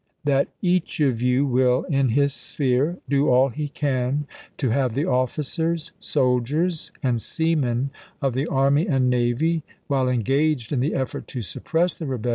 That each of you will, in his sphere, do all he can to Stiie6 have the officers, soldiers, and seamen of the army and D^ocrat? navy, while engaged in the effort to suppress the rebel vent?